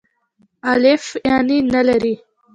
الیف هیڅ نه لری.